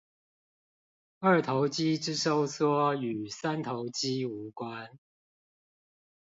二頭肌之收縮與三頭肌無關